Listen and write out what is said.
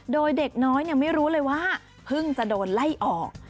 โดยเด็กน้อยไม่รู้เลยว่าเพิ่งจะโดนไล่ออก